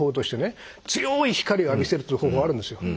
強い光を浴びせるという方法あるんですよ。